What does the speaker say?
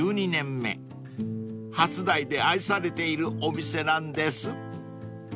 ［初台で愛されているお店なんです］